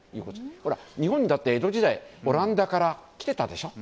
ほら、日本にだって江戸時代オランダから来ていたでしょう？